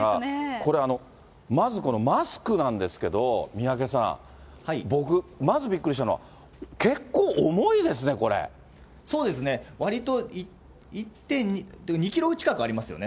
これ、まずこのマスクなんですけど、三宅さん、僕、まずびっくりしたのは、そうですね、わりと、２キロ近くありますよね。